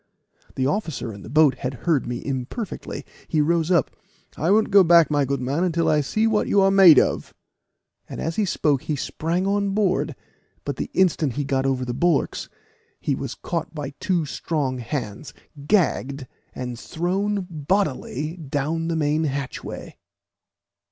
The officer in the boat had heard me imperfectly; he rose up "I won't go back, my good man, until I see what you are made of;" and as he spoke he sprang on board, but the instant he got over the bulwarks, he was caught by two strong hands, gagged, and thrown bodily down the main hatchway.